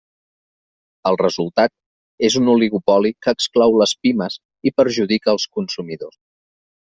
El resultat és un oligopoli que exclou les pimes i perjudica els consumidors.